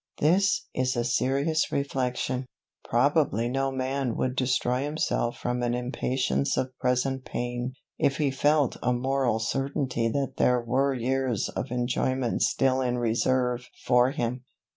This is a serious reflection, Probably no man would destroy himself from an impatience of present pain, if he felt a moral certainty that there were years of enjoyment still in reserve for him.